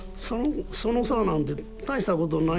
その差なんて大したことないやん。